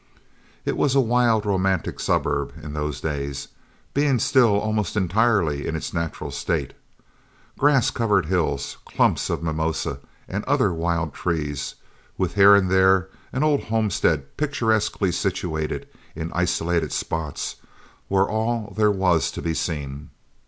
It was a wild, romantic suburb in those days, being still almost entirely in its natural state. Grass covered hills, clumps of mimosa, and other wild trees, with here and there an old homestead picturesquely situated in isolated spots, were all there was to be seen.